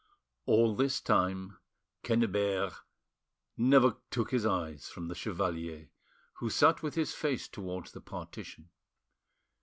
All this time Quennebert never took his eyes from the chevalier, who sat with his face towards the partition.